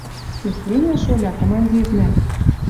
Техеньӹ, шоля, командирнӓ.